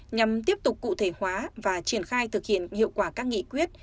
nhằm tiếp tục cụ thể hóa và triển khai thực hiện hiệu quả các nghị quyết